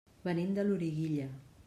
Venim de Loriguilla.